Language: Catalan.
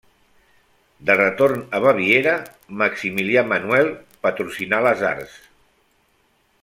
De retorn a Baviera, Maximilià Manuel patrocinà les arts.